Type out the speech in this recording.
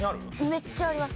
めっちゃあります。